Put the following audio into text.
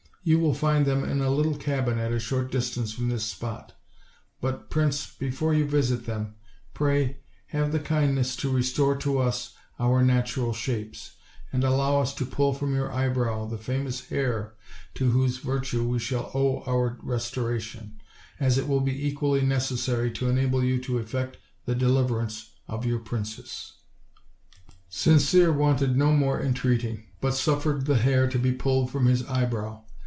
You will find them in a little cabin at a short distance from this spot; but, prince, before you visit them, pray have the kind ness to restore to us our natural shapes, and allow us to pull from your eyebrow the famous hair to whose virtue we shall owe our restoration, as it will be equally neces sary to enable you to effect the deliverance of your prin cess." Sincere wanted no more entreating, but suffered the hair to be pulled from his eyebrow.